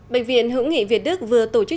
bệnh viện hữu nghị việt đức vừa tổ chức